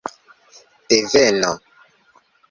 deveno